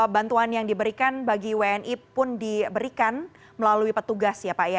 bantuan yang diberikan bagi wni pun diberikan melalui petugas ya pak ya